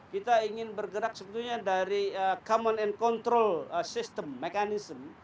kita ingin bergerak sebetulnya dari common and control system mechanism